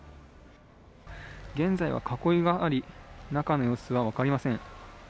現在は囲いはあり中の様子は分かりません。